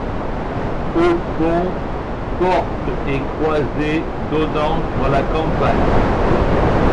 Au fond, porte et croisées donnant sur la campagne.